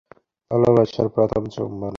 ভালবাসার প্রথম চুম্বনে।